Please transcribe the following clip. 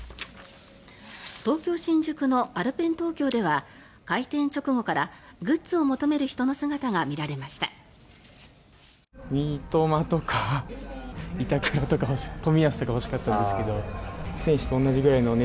東京・新宿のアルペントーキョーでは開店直後からグッズを求める人の姿が見られました。